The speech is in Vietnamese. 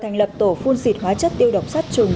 thành lập tổ phun xịt hóa chất tiêu độc sát trùng